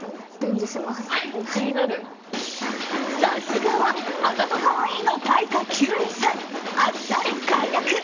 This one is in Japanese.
さすがはあざとカワイイの大家、休井さんあっさり快諾。